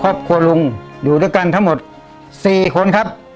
ครอบครัวลุงอยู่ด้วยกันทั้งหมด๔คนครับ